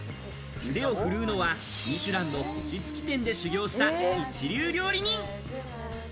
腕を振るうのはミシュランの星付き店で修行した、一流料理人！